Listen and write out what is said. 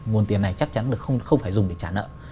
nguồn tiền này chắc chắn là không phải dùng để trả nợ